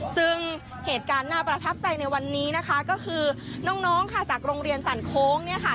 ซึ่งเหตุการณ์น่าประทับใจในวันนี้นะคะก็คือน้องค่ะจากโรงเรียนสั่นโค้งเนี่ยค่ะ